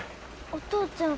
お父ちゃん